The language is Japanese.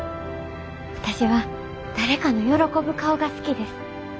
私は誰かの喜ぶ顔が好きです。